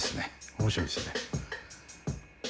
面白いですよね。